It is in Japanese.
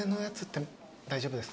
はい大丈夫です。